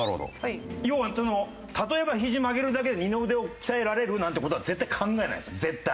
要は「例えばひじ曲げるだけで二の腕を鍛えられる」なんて事は絶対考えないんですよ絶対。